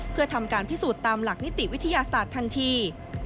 เพื่อทำการพิสูจน์ตามหลักนิติวิทยาศาสตร์ทันที